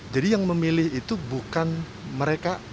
jadi yang memilih itu bukan mereka